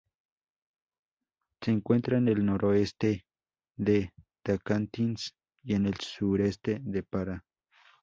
Se encuentra en el noroeste de Tocantins y en el sureste de Pará.